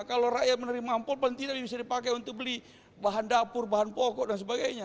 kalau rakyat menerima amplopment tidak bisa dipakai untuk beli bahan dapur bahan pokok dan sebagainya